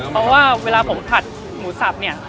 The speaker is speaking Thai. เพราะว่าเวลาผมผัดหมูสับเนี่ย